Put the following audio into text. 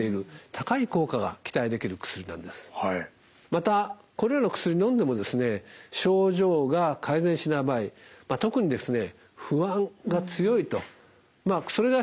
またこれらの薬のんでもですね症状が改善しない場合特にですね